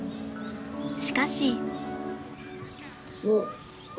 しかし。